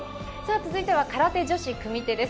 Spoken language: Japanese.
続いては空手女子組手です。